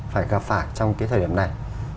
phải gặp phải trong cái thời điểm này